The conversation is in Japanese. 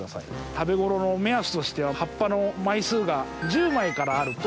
食べ頃の目安としては葉っぱの枚数が１０枚からあると。